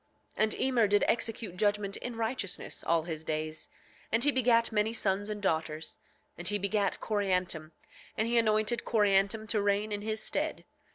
9:21 And Emer did execute judgment in righteousness all his days, and he begat many sons and daughters; and he begat Coriantum, and he anointed Coriantum to reign in his stead.